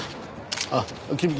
あっ君君。